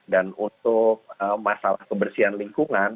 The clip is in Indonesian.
dan untuk masalah kebersihan lingkungan